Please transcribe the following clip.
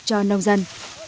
cho nông dân